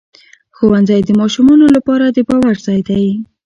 ښوونځی د ماشومانو لپاره د باور ځای دی